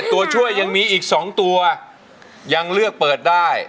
ตัวช่วยยังมีอีก๒ตัวยังเลือกเปิดได้